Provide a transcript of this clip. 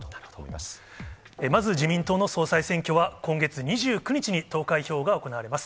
まず自民党の総裁選挙は、今月２９日に投開票が行われます。